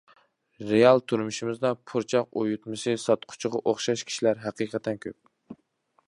رېئال تۇرمۇشىمىزدا پۇرچاق ئۇيۇتمىسى ساتقۇچىغا ئوخشاش كىشىلەر ھەقىقەتەن كۆپ.